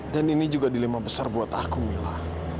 dan ini juga dilema besar buat aku mila